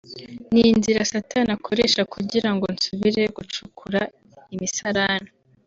ni inzira satani akoresha kugira ngo nsubire gucukura imisarane